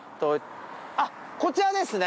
あっこちらですね